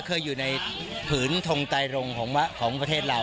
เคยอยู่ในผืนทงไตรรงของประเทศเรา